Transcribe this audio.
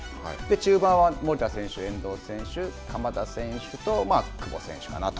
中盤は守田選手、遠藤選手、鎌田選手と久保選手かなと。